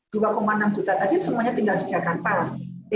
dua enam juta tadi semuanya tinggal di jakarta